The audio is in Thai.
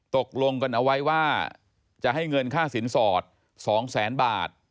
ตกลงกันเอาไว้ว่าจะให้เงินค่าสินสอด๒แสนบาท